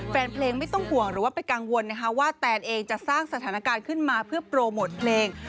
แฟนเพลงไม่ต้องห่วงหรือว่าไปกังวลนะคะว่าแตนเองจะสร้างสถานการณ์ขึ้นมาเพื่อโปรโมทเพลง